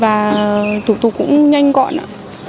và thủ tục cũng nhanh gọn ạ